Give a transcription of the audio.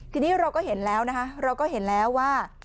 ทีนี้เราก็เห็นแล้วนะคะเราก็เห็นแล้วว่า